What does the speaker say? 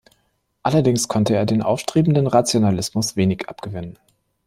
Allerdings konnte er den aufstrebenden Rationalismus wenig abgewinnen.